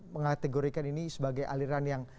mengategorikan ini sebagai aliran yang